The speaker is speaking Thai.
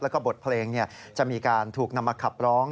แล้วก็บทเพลงจะมีการถูกนำมาขับร้อง